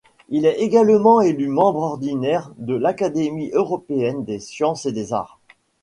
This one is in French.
Il est également élu membre ordinaire de l'Académie européenne des sciences et des arts.